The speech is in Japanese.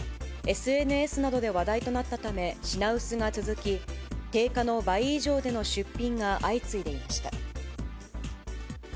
ＳＮＳなどで話題となったため、品薄が続き、定価の倍以上での出品が相次いでいました。